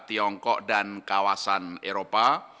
tiongkok dan kawasan eropa